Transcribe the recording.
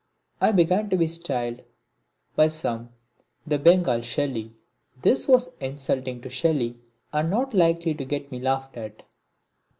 I began to be styled by some the Bengal Shelley. This was insulting to Shelley and only likely to get me laughed at.